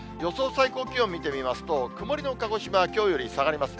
最高気温見てみますと、曇りの鹿児島はきょうより下がります。